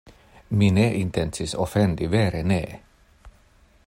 “Mi ne intencis ofendi, vere ne!”